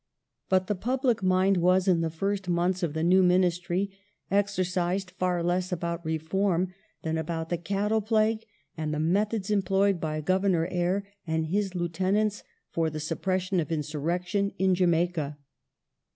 But the public mind was, in the fii st months of the new Ministry, exercised far less about reform than about the cattle plague and the methods employed by Governor Eyre and his lieutenants for the suppression of insurrection in Jamaica.